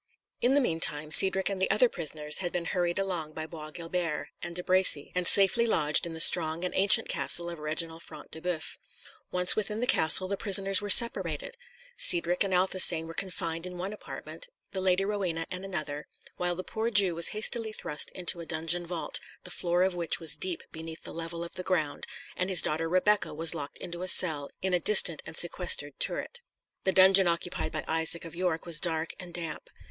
In the meantime Cedric and the other prisoners had been hurried along by Bois Guilbert and De Bracy, and safely lodged in the strong and ancient castle of Reginald Front de Boeuf. Once within the castle, the prisoners were separated. Cedric and Athelstane were confined in one apartment, the Lady Rowena in another, while the poor Jew was hastily thrust into a dungeon vault, the floor of which was deep beneath the level of the ground, and his daughter Rebecca was locked into a cell in a distant and sequestered turret. The dungeon occupied by Isaac of York was dark and damp.